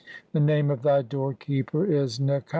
The name of the doorkeeper is "Tchesef."